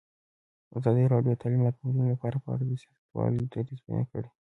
ازادي راډیو د تعلیمات د نجونو لپاره په اړه د سیاستوالو دریځ بیان کړی.